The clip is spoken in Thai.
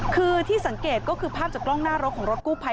คือที่สังเกตก็คือภาพจากกล้องหน้ารถของรถกู้ภัย